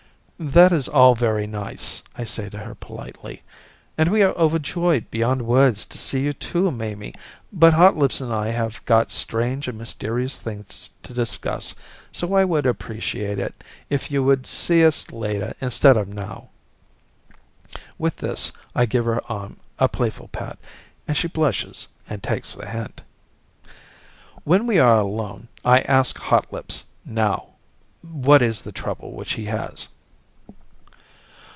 "That is all very nice," I say to her politely, "and we are overjoyed beyond words to see you too, Mamie, but Hotlips and I have got strange and mysterious things to discuss, so I would appreciate it if you would see us later instead of now." With this, I give her arm a playful pat, and she blushes and takes the hint. When we are alone, I ask Hotlips, now what is the trouble which he has.